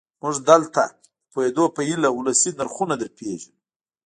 موږ دلته د پوهېدو په هیله ولسي نرخونه درپېژنو.